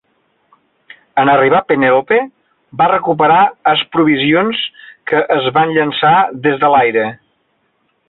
En arribar, "Penelope" va recuperar es provisions que es van llançar des de l'aire.